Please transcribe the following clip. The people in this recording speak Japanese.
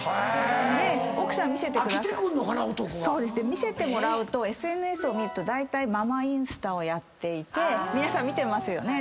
見せてもらうとＳＮＳを見るとだいたいママインスタをやっていて皆さん見てますよね。